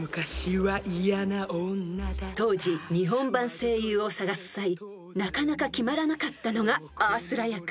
［当時日本版声優を探す際なかなか決まらなかったのがアースラ役］